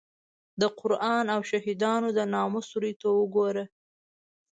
د قران او شهیدانو د ناموس روی ته وګوره.